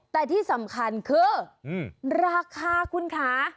แต่ที่สำคัญคือราคาคุณคะ